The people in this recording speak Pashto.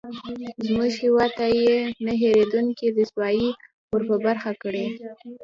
زموږ هېواد ته یې نه هېرېدونکې رسوایي ورپه برخه کړې.